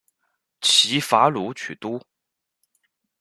齐伐鲁取都。